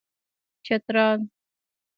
چترال